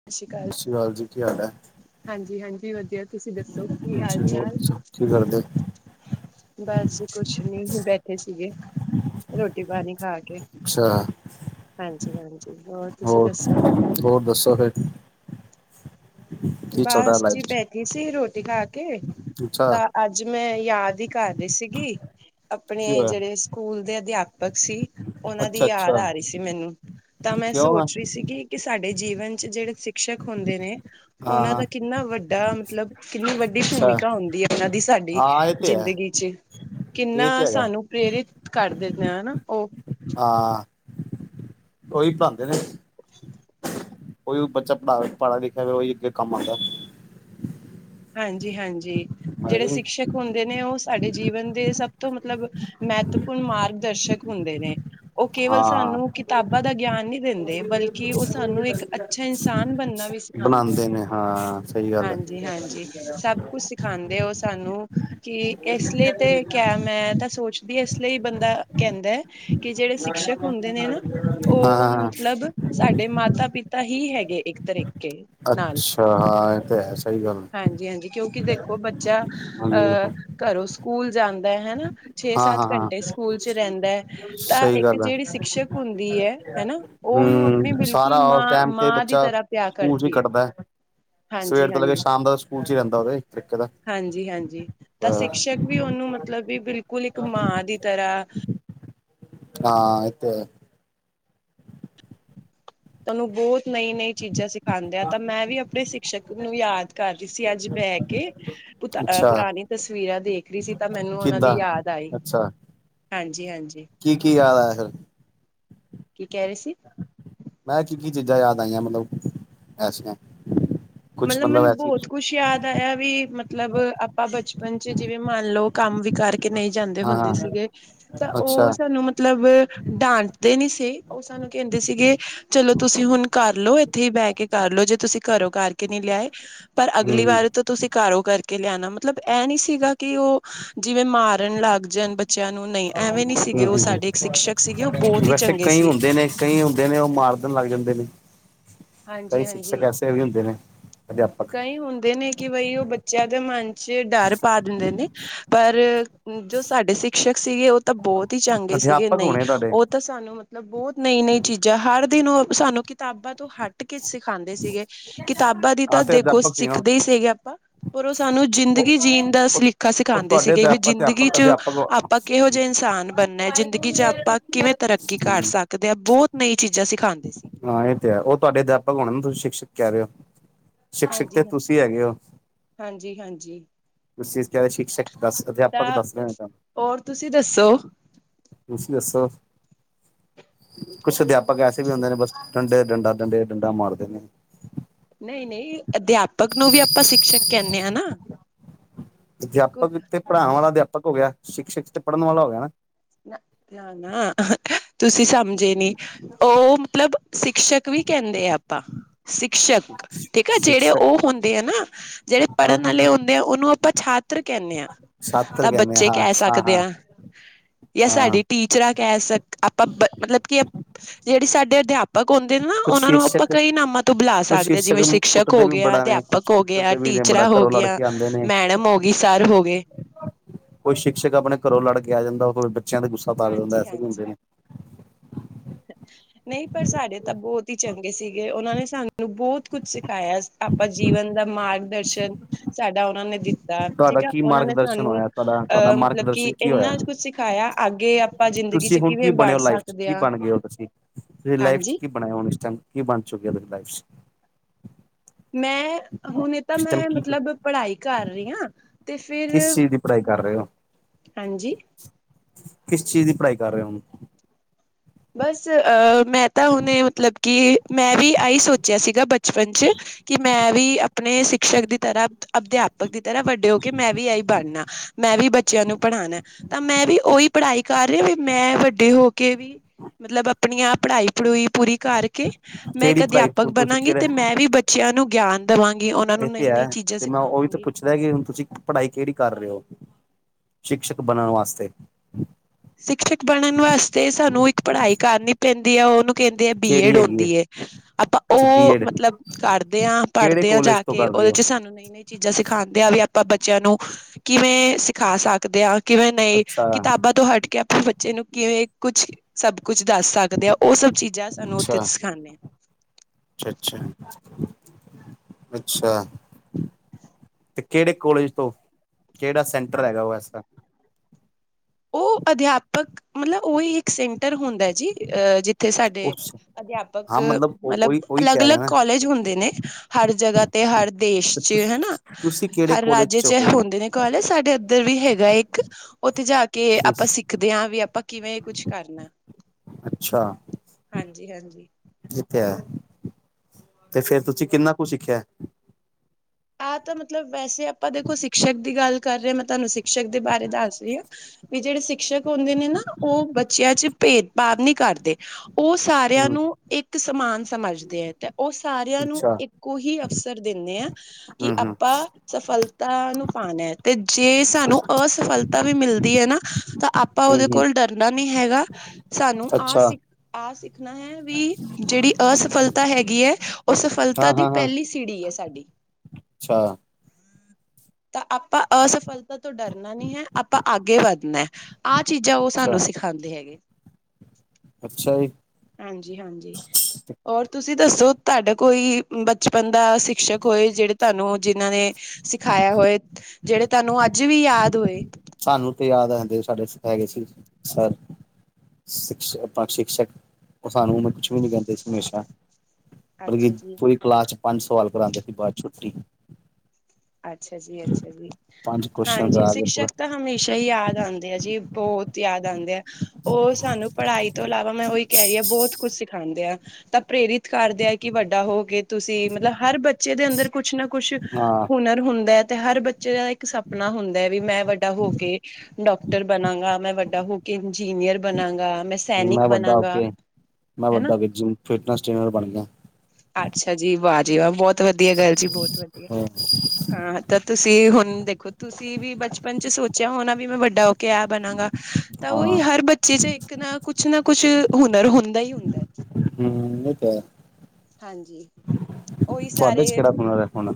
ਸਤਿ ਸ਼੍ਰੀ ਅਕਾਲ ਜੀ ਕੀ ਹਾਲ ਹੈ ਹਾਂਜੀ ਹਾਂਜੀ ਵਧੀਆ ਤੁਸੀਂ ਦੱਸੋ ਕੀ ਹਾਲ ਜੀ ਹੋਰ ਚਾਲ? ਦੱਸੋ, ਕੀ ਕਰਦੇ? ਬਸ ਕੁਛ ਨੀ ਬੈਠੇ ਸੀਗੇ ਰੋਟੀ ਪਾਣੀ ਖਾ ਕੇ। ਅੱਛਾ ਹਾਂਜੀ ਹਾਂਜੀ, ਹੋਰ ਤੁਸੀਂ ਹੋਰ ਦੱਸੋ ਹੋਰ ਦੱਸੋ ਫੇਰ। ਰਿਹਾ ਬਸ ਲਾਈਫ ਜੀ ਚ ਬੈਠੀ ਸੀ ਰੋਟੀ ਖਾ ਕੇ। ਅੱਛਾ, ਤਾਂ ਅੱਜ ਮੈਂ ਯਾਦ ਹੀ ਕਰ ਰਹੀ ਸੀਗੀ ਕੀ ਆਪਣੇ ਹੋਇਆ ਜਿਹੜੇ ਸਕੂਲ ਦੇ ਅਧਿਆਪਕ ਸੀ ਉਹਨਾਂ ਦੀ ਅੱਛਾ ਯਾਦ ਅੱਛਾ ਆ ਰਹੀ ਸੀ ਮੈਨੂੰ ਤਾਂ ਮੈਂ ਕਿਉਂ ਹੈ ਸੋਚ ਰਹੀ ਸੀ ਕਿ। ਸਾਡੇ ਜੀਵਨ ਚ ਜਿਹੜੇ ਸ਼ਿਕਸ਼ਕ ਹੁੰਦੇ ਨੇ। ਹਾਂ ਉਹਨਾਂ ਹਾਂ ਦਾ ਕਿੰਨਾ ਵੱਡਾ ਮਤਲਬ ਕਿੰਨੀ ਵੱਡੀ ਅੱਛਾ ਭੂਮਿਕਾ ਹੁੰਦੀ ਐ ਉਹਨਾਂ ਦੀ ਸਾਡੀ। ਹਾਂ ਇਹ ਤੇ ਹੈ ਜ਼ਿੰਦਗੀ ਚ ਇਹ ਤੇ ਕਿੰਨਾ ਹੈਗਾ ਸਾਨੂੰ ਪ੍ਰੇਰਿਤ ਕਰ ਦਿੰਦੇ ਹਨਾ ਓ ਹਾਂ ਉਹੀ ਬਣਾਂਦੇ ਨੇ। ਕੋਈ ਬੱਚਾ ਪੜਾ ਪੜ੍ਹ ਲਿਖਿਆ ਫਿਰ ਉਹੀ ਅੱਗੇ ਕੰਮ ਆਂਦਾ। ਹਾਂਜੀ ਹਾਂਜੀ, ਹੈ ਜਿਹੜੇ ਕਿ ਨਹੀਂ? ਸ਼ਿਕਸ਼ਕ ਹੁੰਦੇ ਨੇ ਉਹ ਸਾਡੇ ਜੀਵਨ ਦੇ ਸਭ ਤੋਂ ਮਤਲਬ ਮਹੱਤਵਪੂਰਨ ਮਾਰਗ ਦਰਸ਼ਕ ਹੁੰਦੇ ਨੇ। ਉਹ ਕੇਵਲ ਹਾਂ ਸਾਨੂੰ ਕਿਤਾਬਾਂ ਦਾ ਗਿਆਨ ਨਹੀਂ ਦਿੰਦੇ ਬਲਕਿ ਉਹ ਸਾਨੂੰ ਇੱਕ ਅੱਛਾ ਇਨਸਾਨ ਬਣਨਾ ਵੀ ਸਿ, ਬਣਾਂਦੇ ਨੇ ਹਾਂ ਸਹੀ ਗੱਲ ਆ। ਹਾਂਜੀ-ਹਾਂਜੀ ਸਭ ਕੁਛ ਸਿਖਾਂਦੇ ਆ ਓ ਸਾਨੂੰ ਕਿ ਇਸ ਲਈ ਤੇ ਕਿਆ ਮੈਂ ਤਾਂ ਸੋਚਦੀ ਇਸ ਲਈ ਬੰਦਾ ਕਹਿੰਦਾ। ਕਿ ਜਿਹੜੇ ਸ਼ਿਕਸ਼ਕ ਹੁੰਦੇ ਨੇ ਨਾ ਹਾਂ ਉਹ ਹਾਂ, ਮਤਲਬ ਸਾਡੇ ਮਾਤਾ ਪਿਤਾ ਤਾਂ ਹੀ ਹੈਗੇ ਇੱਕ ਤਰੀਕੇ ਨਾਲ। ਅੱਛਾ ਹਾਂ, ਇਹ ਤਾਂ ਹੈ ਸਹੀ ਗੱਲ। ਹਾਂਜੀ ਹਾਂਜੀ, ਕਿਉਂਕਿ ਦੇਖੋ ਬੱਚਾ ਅਹ ਹਾਂਜੀ ਘਰੋਂ ਸਕੂਲ ਜਾਂਦਾ ਹੈ ਹਨਾ। ਛੇ ਹਾਂ ਸੱਤ ਹਾਂ ਹਾਂ ਘੰਟੇ ਸਕੂਲ ਚ ਰਹਿੰਦਾ ਤਾਂ ਸਹੀ ਇੱਕ ਗੱਲ ਜਿਹੜੀ ਹੈ ਸ਼ਿਕਸ਼ਕ ਹੁੰਦੀ ਐ ਹਨਾ। ਉਹ ਉਹਨੂੰ ਆਪਣੀ ਹਮ ਸਾਰਾ ਬਿਲਕੁਲ ਮਾਂ ਟਾਈਮ ਤੇ ਮਾਂ ਦੀ ਬੱਚਾ ਤਰ੍ਹਾਂ ਪਿਆਰ ਸਕੂਲ ਚ ਹੀ ਕਰਦੀ ਐ। ਕੱਟਦਾ ਹੈ। ਸਵੇਰ ਹਾਂਜੀ ਤੋਂ ਲਗੇ ਹਾਂਜੀ, ਸ਼ਾਮ ਦਾ ਸਕੂਲ ਚ ਹੀ ਰਹਿੰਦਾ ਉਹਦੇ ਤਰੀਕੇ ਦਾ ਹਾਂਜੀ ਹਾਂਜੀ, ਤਾਂ ਸਿਕਸ਼ਕ ਵੀ ਉਹਨੂੰ ਮਤਲਬ ਵੀ ਬਿਲਕੁਲ ਇੱਕ ਮਾਂ ਦੀ ਤਰ੍ਹਾਂ ਹਾਂ, ਏ ਤੇ ਹੈ। ਤੁਹਾਨੂੰ ਬਹੁਤ ਨਈ ਨਈ ਚੀਜ਼ਾਂ ਸਿਖਾਦੇ ਆਂ ਤਾਂ ਮੈਂ ਵੀ ਆਪਣੇ ਸ਼ਿਕਸ਼ਕ ਨੂੰ ਯਾਦ ਕਰ ਰਹੀ ਸੀ ਅੱਜ ਬਹਿ ਕੇ। ਕੇ ਪੁਤਾ ਅੱਛਾ ਪੁਰਾਣੀ ਤਸਵੀਰਾਂ ਦੇਖ ਰਹੀ ਸੀ ਤਾਂ ਮੈਨੂੰ ਉਹਨਾ ਦੀ ਕਿੱਦਾਂ ਯਾਦ ਆਈ। ਅੱਛਾ ਹਾਂਜੀ ਹਾਂਜੀ, ਕੀ ਕੀ ਯਾਦ ਆਇਆ ਫਿਰ ਕੀ ਕਹਿ ਰਹੇ ਸੀ। ਮੈਂ ਕੀ ਕੀ ਚੀਜ਼ਾਂ ਯਾਦ ਆਈਆਂ ਮਤਲਬ ਐਸੀਆਂ। ਕੁਛ ਮਤਲਬ ਮੈਨੂੰ ਐਸੀ ਬਹੁਤ ਕੁਛ ਯਾਦ ਆਇਆ ਵੀ ਮਤਲਬ ਆਪਾਂ ਬਚਪਨ ਚ ਜਿਵੇਂ ਮੰਨ ਲਓ ਕੰਮ ਵੀ ਕਰਕੇ ਕੀ ਨਹੀ ਜਾਂਦੇ ਹਾਂ ਹੁੰਦੇ ਹਾਂ ਸੀਗੇ ਤਾਂ ਉਹ ਅੱਛਾ ਸਾਨੂੰ ਮਤਲਬ ਡਾਂਟਦੇ ਨੀ ਸੀ ਸਾਨੂੰ ਕਹਿੰਦੇ ਸੀਗੇ ਚਲੋ ਤੁਸੀਂ ਹੁਣ ਕਰ ਲਓ ਇੱਥੇ ਹੀ ਬਹਿ ਕੇ ਕਰ ਲਓ ਜੇ ਤੁਸੀਂ ਘਰੋ ਕਰਕੇ ਨਹੀਂ ਲਿਆਏ ਪਰ ਅਗਲੀ ਹਮ ਵਾਰ ਤਾਂ ਤੁਸੀਂ ਘਰੋਂ ਕਰਕੇ ਲਿਆਣਾ ਮਤਲਬ ਇਹ ਨੀ ਸੀਗਾ ਕਿ ਉਹ ਜਿਵੇਂ ਮਾਰਨ ਲੱਗ ਜਾਣ ਬੱਚਿਆਂ ਨੂੰ ਨਹੀਂ। ਐਵੇਂ ਨੀ ਸੀਗੇ ਉਹ ਹਮ ਸਾਡੇ ਇੱਕ ਸ਼ਿਕਸ਼ਕ ਸੀਗੇ ਉਹ ਬਹੁਤ ਹੀ ਵੈਸੇ ਚੰਗੇ ਕਈ ਸੀ ਹੁੰਦੇ ਨੇ। ਕਈ ਹੁੰਦੇ ਨੇ ਉਹ ਮਾਰ ਦੇਣ ਲੱਗ ਜਾਂਦੇ ਨੇ ਹਾਂਜੀ ਕਈ ਸ਼ਿਕਸ਼ਕ ਹਾਂਜੀ ਐਸੇ ਵੀ ਹੁੰਦੇ ਨੇ। ਅਧਿਆਪਕ। ਹੁੰਦੇ ਨੇ ਕਿ ਬਈ ਉਹ ਬੱਚਿਆਂ ਦੇ ਮਨ ਚ ਡਰ ਪਾ ਦਿੰਦੇ ਨੇ ਪਰ ਜੋ ਸਾਡੇ ਸ਼ਿਕਸ਼ਕ ਸੀਗੇ ਉਹ ਤਾਂ ਬਹੁਤ ਹੀ ਚੰਗੇ ਸੀਗੇ ਅਧਿਆਪਕ ਨਹੀਂ ਹੋਣੇ ਤੁਹਾਡੇ ਉਹ ਤਾਂ ਸਾਨੂੰ ਮਤਲਬ ਬਹੁਤ ਨਈ ਨਈ ਚੀਜ਼ਾਂ ਹਰ ਦਿਨ ਉਹ ਸਾਨੂੰ ਕਿਤਾਬਾਂ ਤੋਂ ਹੱਟ ਕੇ ਸਿਖਾਉਂਦੇ ਸੀਗੇ ਕਿਤਾਬਾਂ ਦੀ ਆ ਤਾਂ ਤੇ ਦੇਖੋ ਅਧਿਆਪਕ ਹੋ ਸਿੱਖਦੇ ਹੀ ਸੀਗੇ ਆਪਾਂ ਪਰ ਉਹ ਸਾਨੂੰ ਜ਼ਿੰਦਗੀ ਜੀਣ ਦਾ ਸ ਲਿਖਾ ਸੀ ਉਹ ਖਾਂਦੇ ਤੁਹਾਡੇ ਸੀਗੇ ਅਧਿਆ ਵੀ ਜ਼ਿੰਦਗੀ ਅਧਿਆਪਕ ਚ ਅਧਿਆਪਕ ਆਪਾਂ ਕਿਹੋ ਜਿਹੇ ਇਨਸਾਨ ਬਣਨਾ ਜ਼ਿੰਦਗੀ ਚ ਆਪਾਂ ਕਿਵੇਂ ਤਰੱਕੀ ਕਰ ਸਕਦੇ ਆ ਬਹੁਤ ਨਈ ਚੀਜ਼ਾਂ ਸਿਖਾਉਂਦੇ ਸੀ। ਹਾਂ ਇਹ ਤੇ ਹੈ ਉਹ ਤੁਹਾਡੇ ਅਧਿਆਪਕ ਹੋਣਾ ਨਾ ਤੁਸੀਂ ਸ਼ਿਕਸ਼਼ਿਕ ਕਹਿ ਰਹੇ ਹੋ। ਸ਼ਿਕਸ਼ਿਕ ਤੇ ਹਾਂਜੀ ਤੁਸੀਂ ਹੈਗੇ ਹੋ ਹਾਂਜੀ ਹਾਂਜੀ ਤੁਸੀਂ ਸ਼ਿਕਸ਼ਕ ਦੱਸ ਅਧਿਆਪਕ ਤਾਂ ਦੱਸਦੇ ਮ ਤੁਹਾਨੂੰ। ਹੋਰ ਤੁਸੀਂ ਦੱਸੋ ਤੁਸੀਂ ਦੱਸੋ ਕੁਛ ਅਧਿਆਪਕ ਐਸੇ ਇਸੇ ਵੀ ਹੁੰਦੇ ਨੇ ਬਸ ਡੰਡੇ ਡੰਡਾ ਡੰਡੇ ਡੰਡਾ ਮਾਰਦੇ ਨੇ। ਨਹੀਂ, ਨਹੀਂ ਅਧਿਆਪਕ ਨੂੰ ਵੀ ਆਪਾਂ ਸਿਕਸ਼ਕ ਕਹਿੰਦੇ ਹ ਨਾ ਇੱਕੋ ਅਧਿਆਪਕ ਤੇ ਪੜ੍ਹਾਨ ਵਾਲਾ ਅਧਿਆਪਕ ਹੋ ਗਿਆ ਸ਼ਿਕਸ਼ਕ ਤੇ ਪੜ੍ਹਨ ਵਾਲਾ ਹੋ ਗਿਆ ਨਾ। ਨਾ, ਨਾ ਤੁਸੀਂ ਸਮਝੇ ਨੀ ਉਹ ਮਤਲਬ ਸਿਕਸ਼ਕ ਵੀ ਕਹਿੰਦੇ ਆ ਆਪਾਂ, ਸ਼ਿਕਸ਼ਕ ਠੀਕ ਆ ਜਿਹੜੇ ਸ਼ਿਕਸ਼ਕ ਉਹ ਹੁੰਦੇ ਆ ਨਾ ਜਿਹੜੇ ਹਾਂ ਪੜ੍ਹਨ ਹਾਂ ਹਾਂ ਵਾਲੇ ਹੁੰਦੇ ਆ, ਉਹਨੂੰ ਆਪਾਂ ਛਾਤਰ ਕਹਿੰਦੇ ਹਾਂ ਛਾਤਰ ਤਾਂ ਕਹਿੰਦੇ ਆ ਬੱਚੇ ਹਾਂ ਕਹਿ ਸਕਦੇ ਹਾਂ ਜਾਂ ਹਾਂ ਸਾਡੇ ਟੀਚਰਾਂ ਕਹਿ ਸਕ, ਆਪਾਂ ਮਤਲਬ ਕਿ ਜਿਹੜੀ ਸਾਡੇ ਅਧਿਆਪ ਅਧਿਆਪਕ ਹੁੰਦੇ ਨੇ ਨਾ ਕੁਛ ਉਹਨਾਂ ਨੂੰ ਆਪਾਂ ਸ਼ੀਰਸ਼ਕ ਕਈ ਨਾਮਾਂ ਤੋਂ ਬੁਲਾ ਕੁਛ ਸਕਦੇ ਹਾਂ, ਸ਼ਿਕਸ਼ਕ ਜਿਵੇਂ ਸ਼ਿਕਸ਼ਕ ਕੁੱਟਦੇ ਹੋ ਵੀ ਗਿਆ ਬੜਾ ਨੇ ਅਧਿਆਪਕ ਪਕ ਕੁਛ ਹੋ ਗਿਆ ਕੁੱਟਦੇ ਵੀ ਨੇ ਬੜਾ ਟੀਚਰਾਂ ਹੋ ਘਰੋਂ ਲੜ ਗਿਆਂ ਕੇ ਆਉਂਦੇ ਨੇ ਮੈਡਮ ਹੋ ਗਈ ਸਰ ਹੋ ਗਏ ਕੋਈ ਸ਼ਿਕਸ਼ਕ ਆਪਣੇ ਘਰੋਂ ਲੜ ਕੇ ਆ ਜਾਂਦਾ ਉਹ ਬੱਚਿਆਂ ਦਾ ਗੁੱਸਾ ਉਤਾਰ ਦਿੰਦਾ ਏਸੇ ਵੀ ਹੁਣਦੇ ਹਾਂਜੀ-ਹਾਂਜੀ ਨੇ ਹ [inaudible] ਨਹੀ ਪਰ ਸਾਡੇ ਤਾਂ ਬਹੁਤ ਹੀ ਚੰਗੇ ਸੀਗੇ ਉਹਨਾਂ ਨੇ ਸਾਨੂੰ ਬਹੁਤ ਕੁਛ ਸਿਖਾਇਆ ਆਪਾਂ ਜੀਵਨ ਦਾ ਮਾਰਗ ਦਰਸ਼ਨ ਸਾਡਾ ਉਹਨਾਂ ਨੇ ਦਿੱਤਾ ਤੁਹਾਡਾ ਠੀਕ ਹੈ, ਕੀ ਉਹਨਾਂ ਨੇ ਮਾਰਗਦਰਸ਼ਨ ਸਾਨੂੰ ਹੋਇਆ ਤੁਹਾਡਾ ਤੁਹਾਡਾ ਅਹ ਮਤਲਬ ਕਿ ਮਾਰਗਦਰਸ਼ਨ ਕੀ ਹੋਇਆ ਇੰਨਾ ਕੁਛ ਸਿਖਾਇਆ ਅੱਗੇ ਆਪਾਂ ਜ਼ਿੰਦਗੀ ਚ ਕਿਵੇਂ ਵੜ ਸਕਦੇ ਹਾਂ ਤੁ ਤੁਸੀਂ ਲਾਈਫ ਚ ਹਾਂਜੀ ਕੀ ਬਣਾਯਾ ਹੁਨ ਇਸ ਟਾਈਮ, ਕੀ ਬਣ ਚੁੱਕੇ ਹੁਨ ਲਾਈਫ ਚ ਮੈਂ ਹੁਣੇ ਤਾਂ ਇਸ ਟਾਈਮ ਮੈਂ ਕੀ ਮਤਲਬ ਪੜ੍ਹਾਈ ਕਰ ਰਹੀ ਹਾਂ ਤੇ ਫਿਰ ਕਿਸ ਚੀਜ਼ ਦੀ ਪੜ੍ਹਾਈ ਕਰ ਰਹੇ ਹੋ ਹਾਂਜੀ ਕਿਸ ਚੀਜ਼ ਦੀ ਪੜ੍ਹਾਈ ਕਰ ਰਹੇ ਹੋ ਹੁਣ ਬਸ ਅਹ ਮੈਂ ਤਾਂ ਹੁਣੇ ਮਤਲਬ ਕਿ ਮੈਂ ਵੀ ਆਹੀ ਸੋਚਿਆ ਸੀਗਾ ਬਚਪਨ ਚ ਕਿ ਮੈਂ ਵੀ ਆਪਣੇ ਸ਼ਿਕਸ਼ਕ ਦੀ ਤਰ੍ਹਾਂ ਅਧਿਆਪ ਪਕ ਦੀ ਤਰ੍ਹਾਂ ਵੱਡੇ ਹੋ ਕੇ ਮੈਂ ਵੀ ਇਹੀ ਬਣਨਾ ਮੈਂ ਵੀ ਬੱਚਿਆਂ ਨੂੰ ਪੜ੍ਹਾਉਣਾ, ਤਾਂ ਮੈਂ ਵੀ ਉਹੀ ਪੜ੍ਹਾਈ ਕਰ ਰਹੀ ਵੀ ਮੈਂ ਵੱਡੇ ਹੋ ਕੇ ਵੀ ਮਤਲਬ ਆਪਨੀਆਂ ਪੜ੍ਹਾਈ ਪੜ੍ਹੂਈ ਪੂਰੀ ਕਰਕੇ ਮੈਂ ਇੱਕ ਕਿਹੜੀ ਪੜ੍ਹਾਈ ਅਧਿਆਪਕ ਹੁਣ ਤੁਸੀਂ ਬਨਾਗੀ ਤੇ ਕਿਹੜੇ ਮੈਂ ਵੀ ਬੱਚਿਆਂ ਨੂੰ ਗਿਆਨ ਦੇਵਾਂਗੀ, ਉਹਨਾਂ ਇਹ ਨੂੰ ਤੇ ਨਈ- ਹੈ ਨਈ ਚੀਜ਼ਾਂ ਤੇ ਮੈਂ ਉਹੀ ਤਾਂ ਸਿਖਾਵਾਂਗੀ ਪੁੱਛਦਾ ਕਿ ਹੁਣ ਤੁਸੀਂ ਪੜ੍ਹਾਈ ਕਿਹੜੀ ਕਰ ਰਹੇ ਹੋ, ਸ਼ਿਕਸ਼ਕ ਬਣਨ ਵਾਸਤੇ ਸਿਕਸ਼ਕ ਬਣਨ ਵਾਸਤੇ ਸਾਨੂੰ ਇੱਕ ਪੜ੍ਹਾਈ ਕਰਨੀ ਪੈਂਦੀ ਹੈ ਉਹਨੂੰ ਕਹਿੰਦੇ ਆ ਬੀ, ਏਡ ਕਿਹੜੀ ਹੈਗੀ ਹੈ ਹੁੰਦੀ ਆਪਾਂ ਅੱਛਾ ਉਹ ਬੀਐਡ ਮਤਲਬ ਕਾਰਦੇ ਹਾਂ ਕਿਹੜੇ ਪੜ੍ਹਦੇ ਹਾਂ ਕੋਲਜ ਜਾ ਤੋਂ ਕੇ ਕਰ ਰਹੇ ਉਹਦੇ ਹੋ ਚ ਸਾਨੂੰ ਨਈ ਨਈ ਚੀਜ਼ਾਂ ਸਿਖਾਉਂਦੇ ਆ ਵੀ ਆਪਾਂ ਬੱਚਿਆਂ ਨੂੰ ਕਿਵੇਂ ਸਿਖਾ ਸਕਦੇ ਹਾਂ ਕਿਵੇਂ ਨਈ ਅੱਛਾ ਕਿਤਾਬਾਂ ਤੋਂ ਹਟ ਕੇ ਆਪਣੇ ਬੱਚੇ ਨੂੰ ਕਿਵੇਂ ਕੁਛ, ਸਭ ਕੁਛ ਦੱਸ ਸਕਦੇ ਆ ਉਹ ਸਭ ਚੀਜ਼ਾਂ ਤੁਹਾਨੂੰ ਉੇਥੇ ਸਿਖਾਉਣ ਦੇ ਅੱਛਾ, ਅੱਛਾ, ਅੱਛਾ ਤੇ ਕਿਹੜੇ ਕਾਲਜ ਤੋਂ, ਕਿਹੜਾ ਸੈਂਟਰ ਹੈਗਾ ਏਸਾ ਉਹ ਅਧਿਆਪਕ, ਮਤਲਬ ਉਹੀ ਇੱਕ ਸੈਂਟਰ ਹੁੰਦਾ ਜੀ ਅ ਜ ਉੱਥੇ ਸਾਡੇ ਅਧਿਆਪਕ, ਹਾਂ ਮਤਲਬ ਉਹੀ ਉਹੀ ਅਲੱਗ, ਕਹਿ ਰਿਹਾ ਅਲੱਗ ਨਾ ਕਾਲਜ ਹੁੰਦੇ ਨੇ ਹਰ ਜਗ੍ਹਾ ਤੇ ਹਰ ਦੇਸ਼ ਚ ਹੈਨਾ, ਤੁਸੀਂ ਕਿਹੜੇ ਹਰ ਕੋਲਜ ਰਾਜੇ ਚ ਹੋ ਹੁੰਦੇ ਨੇ ਕਲਜ ਸਾਡੇ ਉਧਰ ਵੀ ਹੈਗਾ ਇੱਕ, ਉੱਥੇ ਜਾ ਕੇ ਆਪਾਂ ਸਿੱਖ ਰਖਦੇ ਹਾਂ ਵੀ ਆਪਾਂ ਕਿਵੇਂ ਇਹ ਕੁਛ ਕਰਨਾ ਅੱਛਾ- ਹਾਂਜੀ, ਹਾਂਜੀ ਸਿਖਿਆ, ਤੇ ਫੇਰ ਤੁਸੀ ਕਿੰਨਾ ਕੁ ਸਿੱਖਿਆ ਆਹ ਤਾਂ ਮਤਲਬ ਵੈਸੇ ਆਪਾਂ ਦੇਖੋ ਸਿਕਸ਼ਕ ਦੀ ਗੱਲ ਕਰ ਰਹੇ ਹਾਂ, ਮੈਂ ਤੁਹਾਨੂੰ ਸਿਕਸ਼ਕ ਦੇ ਬਾਰੇ ਦੱਸ ਰਹੀ ਹਾਂ ਵੀ ਜਿਹੜੇ ਸ਼ਿਕਸ਼ਕ ਹੁੰਦੇ ਨੇ ਨਾ ਉਹ ਬੱਚਿਆਂ ਚ ਭੇਦਭਾਵ ਨਹੀ ਕਰਦੇ ਉਹ ਸਾਰਿਆਂ ਹਮ ਨੂੰ ਇੱਕ ਸਮਾਨ ਸਮਝਦੇ ਹੈ, ਤੇ ਉਹ ਸਾਰਿਆਂ ਨੂੰ ਅੱਛਾ ਇੱਕ ਕੋ ਹੀ ਅਵਸਰ ਦਿੰਦੇ ਆ, ਕਿ ਹਮ ਹਮ ਆਪਾਂ ਸਫਲਤਾ ਨੂੰ ਪਾਉਣਾ ਤੇ ਜੇ ਸਾਨੂੰ ਅਸਫਲਤਾ ਵੀ ਮਿਲਦੀ ਹੈ ਨਾ, ਤਾਂ ਆਪਾਂ ਉਹਦੇ ਹਮ ਹਮ ਕੋਲ ਡਰ ਨਹੀਂ ਹੈਗਾ, ਸਾਨੂੰ ਆ ਅੱਛਾ ਸਿੱਖ ਆਹ ਸਿੱਖਣਾ ਹੈ ਵੀ ਜਿਹੜੀ ਅਸਫਲਤਾ ਹੈਗੀ ਹੈ, ਉਹ ਸਫਲਤਾ ਹਾਂ ਦੀ ਹਾਂ ਹਾਂ ਪਹਿਲੀ ਸੀੜੀ ਹੈ ਸਾਡੀ ਅੱਛਾ ਤਾਂ ਆਪਾਂ ਅਸਫਲਤਾ ਤੋਂ ਡਰਨਾ ਨਹੀ ਹੈ ਆਪਾਂ ਅੱਗੇ ਵੱਧਣਾ, ਆਹ ਚੀਜ਼ਾਂ ਉਹ ਸਾਨੂੰ ਅੱਛਾ ਸਿਖਾ ਖਾਂਦੇ ਹੈਗੇ ਅੱਛਾ ਜੀ। ਹਾਂਜੀ, ਹਾਂਜੀ। ਠ [unintelligible] [unintelligible] ਔਰ ਤੁਸੀਂ ਦੱਸੋ ਤੁਹਾਡਾ ਕੋਈ ਬਚਪਨ ਦਾ ਸ਼ਿਕਸ਼ਕ ਹੋਏ ਜਿਹੜੇ ਤੁਹਾਨੂੰ ਜਿਨਾਂ ਨੇ ਸਿਖਾਇਆ ਹੋਏ, ਜਿਹੜੇ ਤੁਹਾਨੂੰ ਅੱਜ ਵੀ ਯਾਦ ਹੋਏ। ਸਾਨੂੰ ਤੇ ਯਾਦ ਆਉਂਦੇ ਸਾਡੇ ਹੈਗੇ ਸੀ ਸਰ ਸ਼ ਆਪਣਾ ਸ਼ਿਕਸ਼ਕ, ਉਹ ਸਾਨੂੰ ਕੁਛ ਵੀ ਨੀ ਕਹਿੰਦੇ ਸੀ ਹਮੇਸ਼ਾ ਅੱਛਾ ਮਤਲਬ ਜੀ ਪੂਰੀ ਕਲਾਸ ਚ ਪੰਜ ਸਵਾਲ ਕਰਾਉਂਦੇ ਸੀ ਬਾਅਦ ਛੁੱਟੀ ਅੱਛਾ ਜੀ, ਅੱਛਾ ਜੀ ਪੰਜ ਕੁਸ਼ਚਨ ਹਾਂਜੀ ਕਰਾ ਕੇ ਪੂਰਾ ਸਿਕਸ਼ਕ ਤਾਂ ਹਮੇਸ਼ਾ ਹੀ ਯਾਦ ਆਉਂਦੇ ਆ ਜੀ ਬਹੁਤ ਯਾਦ ਆਉਂਦੇ ਆ ਉਹ ਸਾਨੂੰ ਪੜ੍ਹਾਈ ਤੋਂ ਇਲਾਵਾ ਮੈਂ ਉਹੀ ਕਹਿ ਰਹੀ ਹਾਂ ਬਹੁਤ ਕੁਛ ਸਿਖਾਉਦੇ ਆਂ। ਤਾਂ ਪ੍ਰੇਰਿਤ ਕਰਦੇ ਹੈ ਕਿ ਵੱਡਾ ਹੋ ਕੇ ਤੁਸੀਂ ਮਤਲਬ ਹਰ ਬੱਚੇ ਦੇ ਅੰਦਰ ਕੁਛ ਨਾ ਕੁਛ ਹਾਂ ਹੁਨਰ ਹੁੰਦਾ ਹੈ ਤੇ ਹਰ ਬੱਚੇ ਦਾ ਇੱਕ ਸਪਨਾ ਹੁੰਦਾ ਹੈ। ਵੀ ਮੈਂ ਵੱਡਾ ਹੋ ਕੇ ਡਾਕਟਰ ਬਣਾਂਗਾ ਮੈਂ ਵੱਡਾ ਹੋ ਕੇ ਇੰਜੀਨੀਅਰ ਬਣਾਂਗਾ ਮੈਂ ਮੈਂ ਸੈਨਿਕ ਵੱਡਾ ਹੋ ਬਣਾਂਗਾ ਕੇ, ਮੈਂ ਹਨਾ ਵੱਡਾ ਜਿਮ ਫਿਟਨੈਸ ਟ੍ਰਰੇਨਰ ਬਣ ਗਿਆ ਅੱਛਾ ਜੀ ਵਾਹ ਜੀ ਵਾਹ ਬਹੁਤ ਵਧੀਆ ਗੱਲ ਜੀ ਬਹੁਤ ਵਧੀਆ। ਹਾਂ ਹਾਂ, ਤਾਂ ਤੁਸੀਂ ਹੁਣ ਦੇਖੋ ਤੁਸੀਂ ਵੀ ਬਚਪਨ ਚ ਸੋਚਿਆ ਹੋਣਾ ਵੀ ਮੈਂ ਵੱਡਾ ਹੋ ਕੇ ਆ ਬਣਾਂਗਾ। ਤਾਂ ਉਹੀ ਹਰ ਬੱਚੇ ਚ ਇੱਕ ਨਾ ਕੁਛ ਨਾ ਕੁਛ ਹੁਨਰ ਹੁੰਦਾ ਹੀ ਹੁੰਦਾ। ਹੂੰ, ਇਹ ਤਾਂ ਹੈ। ਹਾਂਜੀ, ਉਹੀ ਤੁਹਾਡੇ ਚ ਸਾਰੇ ਕਿਹੜਾ ਹੁਨਰ ਹੈ ਹੁਣ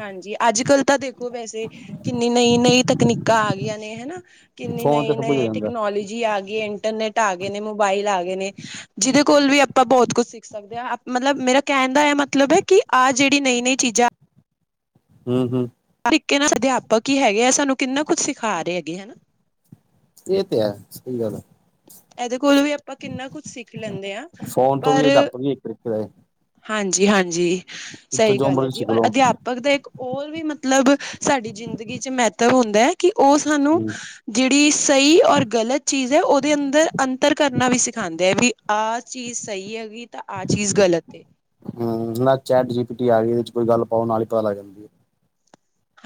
ਹਾਂਜੀ, ਅੱਜ ਕੱਲ੍ਹ ਤਾਂ ਦੇਖੋ ਵੈਸੇ ਕਿੰਨੀ ਨਈ- ਨਈ ਤਕਨੀਕਾਂ ਆ ਗਈਆਂ ਨੇ ਹਨਾ ਕਿੰਨੀ ਫੋਨ ਤੇ ਨਈ- ਸਭ ਕੁਝ ਹੋ ਨਈ ਜਾਂਦਾ ਟੈਕਨੋਲੋਜੀ ਆ ਗਈ। ਇੰਟਰਨੈਟ ਆ ਗਏ ਨੇ, ਮੋਬਾਇਲ ਆ ਗਏ ਨੇ, ਜਿਹਦੇ ਕੋਲ ਵੀ ਆਪਾਂ ਬਹੁਤ ਕੁੱਛ ਸਿੱਖ ਸਕਦੇ ਹੈ, ਮਤਲਬ ਮੇਰਾ ਕਹਿਣ ਦਾ ਇਹ ਮਤਲਬ ਹੈ ਕਿ ਆਹ ਜਿਹੜੀ ਨਈਂ- ਨਈਂ ਚੀਜ਼ਾਂ ਹੁ, ਹੁ ਤਰੀਕੇ ਨਾਲ ਅਧਿਆਪਕ ਹੀ ਹੈਗੇ ਆ ਸਾਨੂੰ ਕਿੰਨਾ ਕੁੱ ਸਿਖਾ ਰਹੇ ਹੈਗੇ ਹਨਾ ਇਹ ਆ ਸਹੀ ਗਲ ਏ ਇਹਦੇ ਕੋਲੌ ਵੀ ਆਪਾਂ ਕਿੰਨਾ ਕੁੱਝ ਸਿੱਖ ਲੈਂਦੇ ਹਾਂ। ਸੋਨ ਤੋਂ ਵੀ ਪਰ ਅਧਿਆਪਕ ਵੀ ਠੀਕ ਰਹੇ ਹਾਂਜੀ, ਹਾਂਜੀ ਇੱਥੋਂ ਸਹੀ ਜੋ ਗੱਲ ਹੈ ਮਰਜ਼ੀ ਜੀ ਸਿੱਖ ਔਰ ਲੋ ਅਧਿਆਪਕ ਪਰ ਇੱਕ ਹੋਰ ਵੀ ਮਤਲਬ ਸਾਡੀ ਜ਼ਿੰਦਗੀ ਚ ਮਹੱਤਵ ਹੁੰਦਾ ਹੈ ਕਿ ਉਹ ਸਾਨੂੰ ਹੂੰ ਜਿਹੜੀ ਸਹੀ ਔਰ ਗਲਤ ਚੀਜ਼ ਹੈ ਉਹਦੇ ਅੰ ਅੰਤਰ ਕਰਨਾ ਵੀ ਸਿਖਾਉਂਦੇ ਹੈ ਵੀ ਆਹ ਚੀਜ਼ ਸਹੀ ਹੈਗੀ ਤਾਂ ਆਹ ਚੀਜ਼ ਗਲਤ ਹੂੰ ਨਾ ਚੈਟ ਜੀ ਪੀ ਟੀ ਆ ਗਏ ਇਹਦੇ ਚ ਕੋਈ ਗੱਲ ਪਾਓ ਨਾਲ ਹੀ ਪਤਾ ਲੱਗ ਜਾਂਦਾ।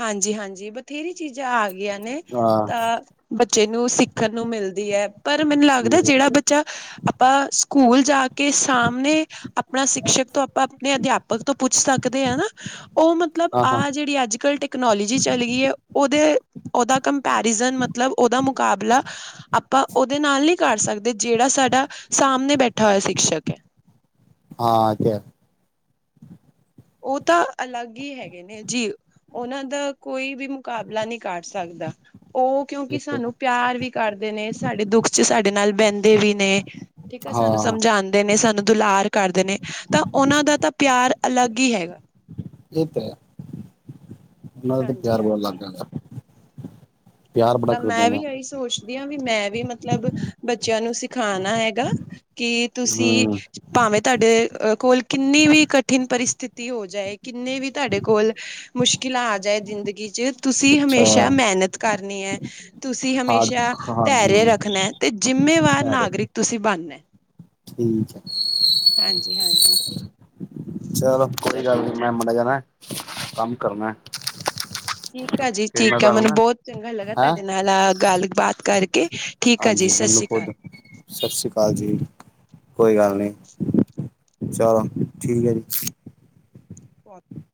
ਹਾਂਜੀ, ਹਾਂਜੀ ਬਥੇਰੀ ਚੀਜ਼ਾਂ ਆ ਗਈਆਂ ਨੇ ਹਾਂ ਤਾਂ ਬੱਚੇ ਨੂੰ ਸਿੱਖਣ ਨੂੰ ਮਿਲਦੀ ਹੈ ਪਰ ਮੈਨੂੰ ਲੱਗਦਾ ਜਿਹੜਾ ਬ ਚ, ਆਪਾਂ ਸਕੂਲ ਜਾ ਕੇ ਸਾਹਮਣੇ ਆਪਣਾ ਸਿਕਸ਼ਕ ਤੋਂ ਆਪਾਂ ਆਪਣੇ ਅਧਿਆਪਕ ਤੋਂ ਪੁੱਛ ਸਕਦੇ ਹ ਨਾ ਉਹ ਮਤਲਬ ਹਾਂ ਹਾਂ ਆਹ ਜਿਹੜੀ ਅੱਜ ਕੱਲ ਟੈਕਨੋਲੋਜੀ ਚੱਲ ਗਈ ਹੈ ਉਹਦੇ ਉਹਦਾ ਕੰਪੈਰਿਜ਼ਨ ਮਤਲਬ ਉਹਦਾ ਮੁਕਾਬਲਾ ਆਪਾਂ ਉਹਦੇ ਨਾਲ ਨਹੀਂ ਕਰ ਸਕਦੇ ਜਿਹੜਾ ਸਾਡਾ ਸਾਹਮਣੇ ਬੈਠਾ ਹੋਇਆ ਸ਼ਿਕਸ਼ਕ ਹੈ। ਹਾਂ ਆ ਗਇਆ ਉਹ ਤਾਂ ਅਲੱਗ ਹੀ ਹੈਗੇ ਨੇ ਜੀ ਉਹਨਾਂ ਦਾ ਕੋਈ ਵੀ ਮੁਕਾਬਲਾ ਨਹੀਂ ਕਰ ਸਕਦਾ। ਉਹ ਕਿਉਂਕਿ ਹੈ। ਸਾਨੂੰ ਪਿਆਰ ਵੀ ਕਰਦੇ ਨੇ ਸਾਡੇ ਦੁੱਖ ਚ ਸਾਡੇ ਨਾਲ ਬਹਿੰਦੇ ਵੀ ਨੇ ਠੀਕ ਆ ਸਾਨੂੰ ਹਾਂ ਸਮਝਾਉਂਦੇ ਨੇ ਸਾਨੂੰ ਦੁਲਾਰ ਕਰਦੇ ਨੇ ਤਾਂ ਉਹਨਾਂ ਦਾ ਤਾਂ ਪਿਆਰ ਅਲੱਗ ਦੀ ਹੈਗਾ ਇਹ ਤੇ ਹੈ ਉਹਨਾਂ ਦਾ ਤੇ ਹਾਂਜੀ ਪਿਆਰ ਬਹੁਤ ਹਾਂਜੀ ਲੱਗ ਜਾਂਦਾ। ਤਾਂ ਮੈਂ ਵੀ ਇਹੀ ਸੋਚਦੀ ਹਾਂ ਵੀ ਮੈਂ ਵੀ ਮਤਲਬ ਬੱਚਿਆਂ ਨੂੰ ਸਿਖਾਣਾ ਹੈਗਾ। ਕਿ ਤੁਸੀਂ ਹੂੰ ਭਾਵੇਂ ਤੁਹਾਡੇ ਕੋਲ ਕਿੰਨੀ ਵੀ ਕਠਿਨ ਪਰਿਸਥਿਤੀ ਹੋ ਜਾਏ ਕਿੰਨੀ ਵੀ ਤੁਹਾਡੇ ਕੋਲ ਮੁਸ਼ਕਿਲਾਂ ਆ ਜਾਏ ਜ਼ਿੰਦਗੀ ਚ ਤੁਸੀਂ ਅੱਛਾ ਹਮੇਸ਼ਾ ਮਿਹਨਤ ਕਰਨੀ ਹੈ। ਤੁਸੀਂ ਹਾਰ ਹਮੇਸ਼ਾ ਹਾਰ ਧਰਿਅ ਹੂੰ। ਰੱਖਣਾ ਤੇ ਜਿੰਮੇਵਾਰ ਅਰੇ ਨਾਗਰਿਕ ਤੁਸੀਂ ਬਣਨਾ। ਠੀਕ ਹੈ ਹਾਂਜੀ ਹਾਂਜੀ ਚਲੋ ਚ ਕੋਈ ਗੱਲ ਨੀ। ਮੈਂ ਮਾੜਾ ਜਾ ਨਾ ਕੰਮ ਕਰਨਾ। ਠੀਕ ਆ ਜੀ ਫਿਰ ਮੈਂ ਠੀਕ ਆ ਤੁਹਾਨੂੰ ਮੈਨੂੰ ਨਾ ਬਹੁਤ ਚੰਗਾ ਲੱਗਾ ਹੈਂ ਤੁਹਾਡੇ ਨਾਲ ਆ ਗੱਲਬਾਤ ਕਰਕੇ ਠੀਕ ਆ ਜੀ ਹਾਂਜੀ ਸਤਿ ਮੈਨੂੰ ਸ਼੍ਰੀ ਅਕਾਲ। ਖੁਦ ਸਤਿ ਸ੍ਰੀ ਅਕਾਲ ਜੀ ਕੋਈ ਗੱਲ ਨੀ। ਚਲੋ ਠੀਕ ਹੈ ਜੀ।